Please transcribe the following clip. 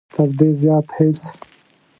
تر دې زیات هېڅ.